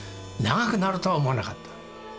長くなるとは思わなかった。